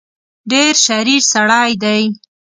ډېر شریر سړی دی.